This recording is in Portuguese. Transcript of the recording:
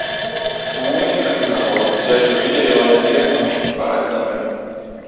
Um homem de camisa rosa se ajoelha e olha diretamente para a câmera.